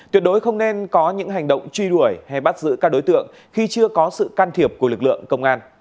tuyệt đối không nên có những hành động truy đuổi hay bắt giữ các đối tượng khi chưa có sự can thiệp của lực lượng công an